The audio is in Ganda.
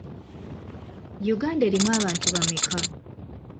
Uganda erimu abantu bameka?